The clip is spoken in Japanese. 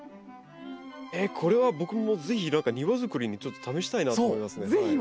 えっこれは僕も是非庭づくりにちょっと試したいなと思いますね。